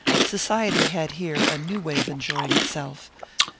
Society had here a new way of enjoying itself.